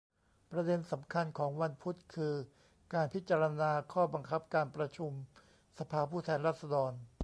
ประเด็นสำคัญของวันพุธ คือ การพิจารณาข้อบังคับการประชุมสภาผู้แทนราษฎร